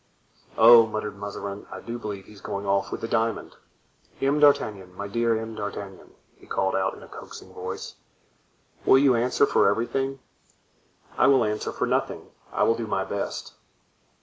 "Oh!" muttered Mazarin, "I do believe he is going off with the diamond! M. d'Artagnan, my dear M. d'Artagnan," he called out in a coaxing voice, "will you answer for everything?" "I will answer for nothing. I will do my best."